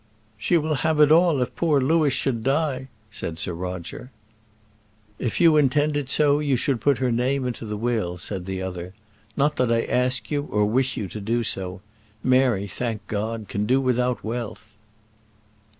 "She will have it all if poor Louis should die," said Sir Roger. "If you intend it so you should put her name into the will," said the other. "Not that I ask you or wish you to do so. Mary, thank God, can do without wealth."